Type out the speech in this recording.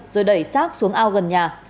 rồi đẩy sát xuống ao gần nhà